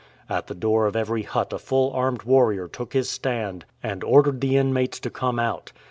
At the door of every hut a full armed warrior took his stand and ordered the inmates to come out.